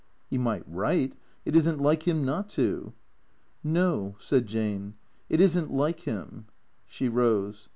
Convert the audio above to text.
He might write. It is n't like him not to." "No," said Jane, "it isn't like him." She rose.